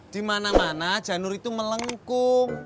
di mana mana janur itu melengkung